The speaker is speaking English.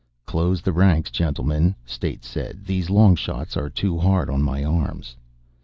"Close the ranks, gentlemen," State said. "These long shots are too hard on my arms."